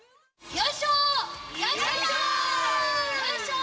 よいしょ！